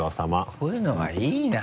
こういうのはいいな。